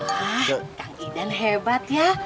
wah kang idan hebat ya